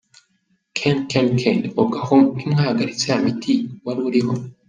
“Ken, Ken, Ken… ubwo aho ntiwahagaritse ya imiti wari uriho ?